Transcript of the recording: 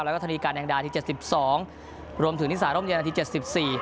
แล้วก็ธนีการแห่งดาที๗๒รวมถึงนิสารร่มเย็นอาทิตย์๗๔